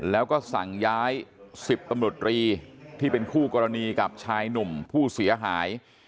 แล้วก็สั่งย้าย๑๐ตำรวจรีที่เป็นคู่กรณีกับชายหนุ่มผู้เสียหาย